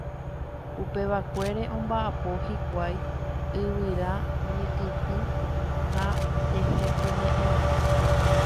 Upevakuére omba'apo hikuái yvyra ñekytĩ ha jehepyme'ẽme.